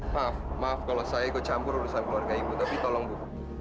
maaf maaf kalau saya ikut campur urusan keluarga ibu tapi tolong bu